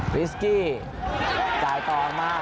ริซกี่จ่ายตอบมา